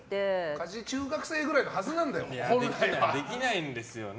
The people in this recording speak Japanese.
家事中学生くらいなはずなんだよ。できないんですよね。